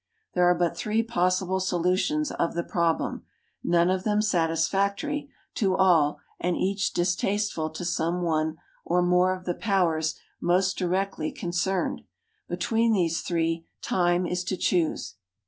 There are but three possible solutions of the problem, none of them satisfactory to all and each dis tasteful to some one or more of the powers most directly concerned. Between these three time is to choose.